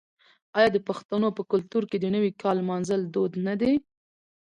آیا د پښتنو په کلتور کې د نوي کال لمانځل دود نه دی؟